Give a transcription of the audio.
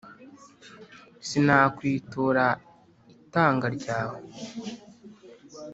sinakwitura itanga ryawe